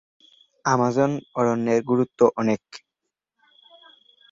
Amazon অরণ্যের গুরুত্ব অনেক।